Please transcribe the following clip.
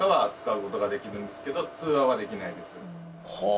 はあ。